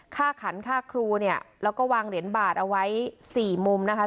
ขันฆ่าครูเนี่ยแล้วก็วางเหรียญบาทเอาไว้สี่มุมนะคะ